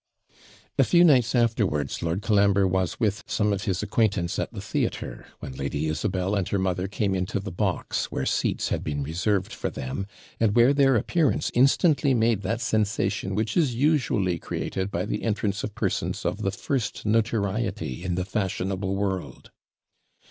A few nights afterwards Lord Colambre was with some of his acquaintance at the theatre, when Lady Isabel and her mother came into the box, where seats had been reserved for them, and where their appearance instantly made that sensation which is usually created by the entrance of persons of the first notoriety in the fashionable world.